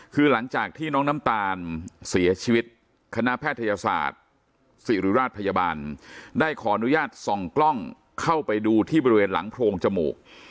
คือหลังจากที่น้องน้ำตาลเสียชีวิตคณะแพทยศาสตร์ศิริราชพยาบาลได้ขออนุญาตส่องกล้องเข้าไปดูที่บริเวณหลังโพรงจมูก